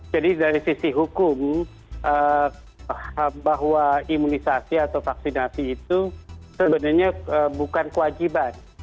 dari sisi hukum bahwa imunisasi atau vaksinasi itu sebenarnya bukan kewajiban